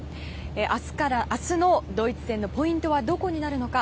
明日のドイツ戦のポイントはどこになるのか。